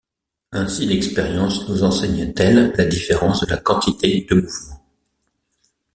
Ainsi l'expérience nous enseigne-t-elle la différence de la quantité de mouvement.